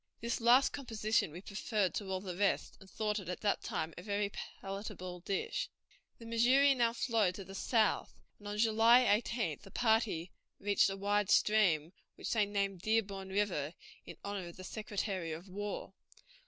This last composition we preferred to all the rest, and thought it at that time a very palatable dish." The Missouri now flowed to the south, and on July 18th the party reached a wide stream, which they named Dearborn River in honor of the Secretary of War.